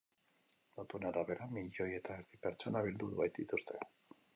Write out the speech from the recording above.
Datuen arabera, milioi eta erdi pertsona bildu baitituzte.